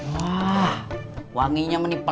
wah wanginya menipu